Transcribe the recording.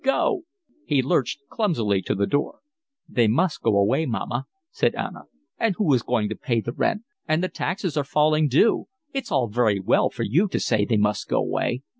Go." He lurched clumsily to the door. "They must go away, mamma," said Anna. "And who is going to pay the rent? And the taxes are falling due. It's all very well for you to say they must go away.